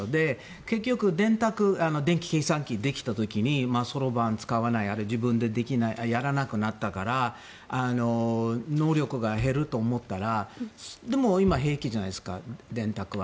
結局、電卓電気計算機ができた時にそろばんを使わない自分でやらなくなったから能力が減ると思ったらでも、今、平気じゃないですか電卓は。